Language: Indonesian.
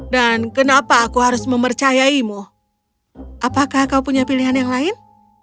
dan kenapa aku harus mempercayaimu apakah kau punya pilihan yang lain